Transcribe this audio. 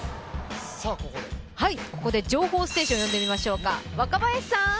ここで情報ステーション呼んでみましょうか。